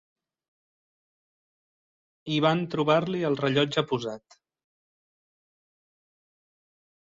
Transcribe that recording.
I van trobar-li el rellotge posat.